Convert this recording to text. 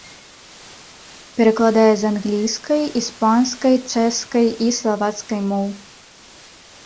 Перакладае з англійскай, іспанскай, чэшскай і славацкай моў.